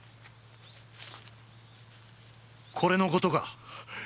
これのことか？